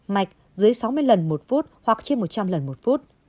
mạch dưới sáu mươi lần một phút hoặc trên một trăm linh lần một phút